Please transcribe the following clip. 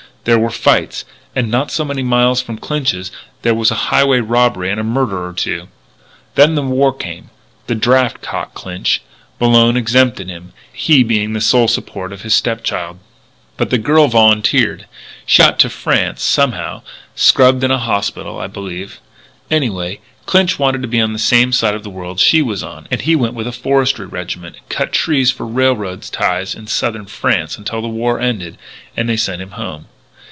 There were fights. And not so many miles from Clinch's there was highway robbery and a murder or two. "Then the war came. The draft caught Clinch. Malone exempted him, he being the sole support of his stepchild. "But the girl volunteered. She got to France, somehow scrubbed in a hospital, I believe anyway, Clinch wanted to be on the same side of the world she was on, and he went with a Forestry Regiment and cut trees for railroad ties in southern France until the war ended and they sent him home.